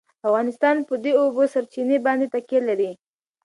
افغانستان په د اوبو سرچینې باندې تکیه لري.